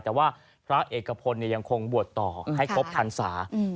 แต่ว่าพระเอกพลยังคงบวชต่อให้ครบพรรษา